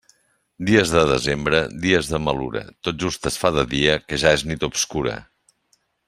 Dies de desembre, dies de malura, tot just es fa de dia que ja és nit obscura.